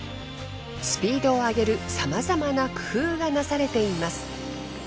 スピードを上げるさまざまな工夫がなされています。